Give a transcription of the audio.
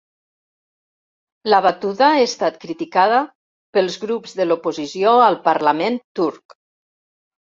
La batuda ha estat criticada pels grups de l'oposició al parlament turc